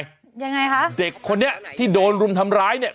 เป็นยังไงยังไงฮะเด็กคนนี้ที่โดนรุมทำร้ายเนี้ย